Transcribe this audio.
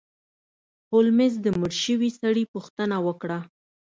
هولمز د مړ شوي سړي پوښتنه وکړه.